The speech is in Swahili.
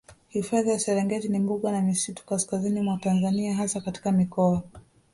Hifadhi ya Serengeti ni mbuga na misitu kaskazini mwa Tanzania hasa katika mikoa